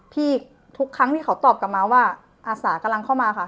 ทุกครั้งที่เขาตอบกลับมาว่าอาสากำลังเข้ามาค่ะ